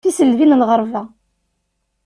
Tiselbi n lɣerba.